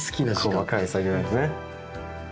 細かい作業ですね。